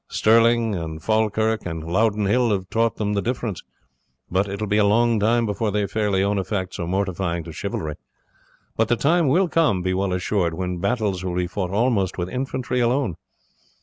Stirling, and Falkirk, and Loudon Hill have taught them the difference, but it will be a long time before they fairly own a fact so mortifying to chivalry; but the time will come, be well assured, when battles will be fought almost with infantry alone.